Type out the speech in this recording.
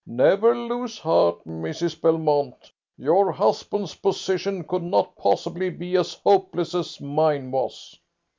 Never lose heart, Mrs. Belmont. Your husband's position could not possibly be as hopeless as mine was."